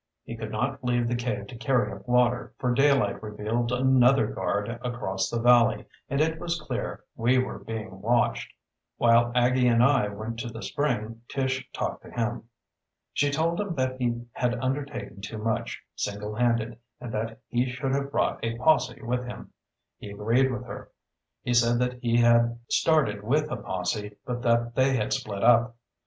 He could not leave the cave to carry up water, for daylight revealed another guard across the valley and it was clear we were being watched. While Aggie and I went to the spring Tish talked to him. She told him that he had undertaken too much, single handed, and that he should have brought a posse with him. He agreed with her. He said he had started with a posse, but that they had split up.